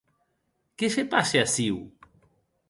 Qué se passe aciu?